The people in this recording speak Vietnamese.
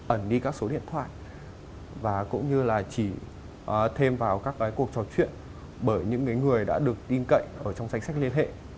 ẩn đi các số điện thoại và cũng như là chỉ thêm vào các cuộc trò chuyện bởi những người đã được tin cậy ở trong danh sách liên hệ